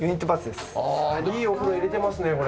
いいお風呂入れてますねこれ。